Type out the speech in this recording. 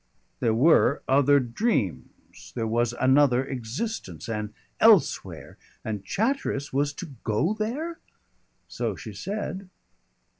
There were other dreams, there was another existence, an elsewhere and Chatteris was to go there! So she said!